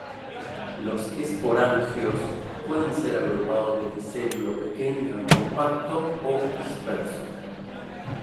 Los esporangios pueden ser agrupados de micelio pequeño y compacto o disperso.